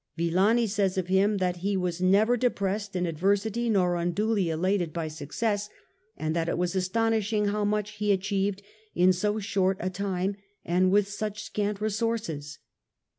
Villani says of him that he was never depressed in adversity nor unduly elated by success, and that it was astonishing how much he achieved in so short a time and with such scant resources.